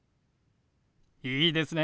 いいですね。